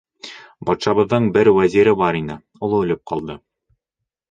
Батшабыҙҙың бер вәзире бар ине, ул үлеп ҡалды.